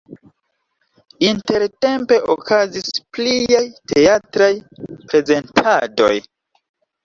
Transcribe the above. Intertempe okazis pliaj teatraj prezentadoj.